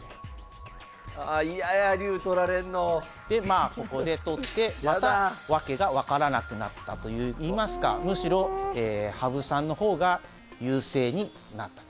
まあここで取ってまた訳が分からなくなったといいますかむしろ羽生さんの方が優勢になったと。